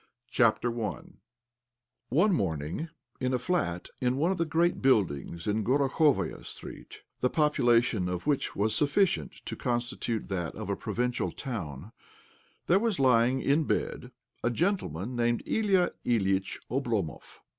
OBLOMOV One morning, in a flat in one of the great buildings in Gorokhovaia Street,' the popu lation of which was sufficient to constitute that of a provincial town, there was lying in bed a gentleman named Ilya Ilyitch Oblomov.